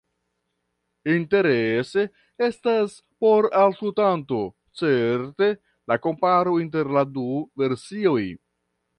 Interese estas por aŭskultanto certe la komparo inter la du versioj.